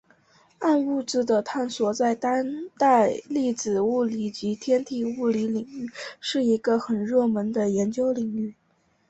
暗物质的探测在当代粒子物理及天体物理领域是一个很热门的研究领域。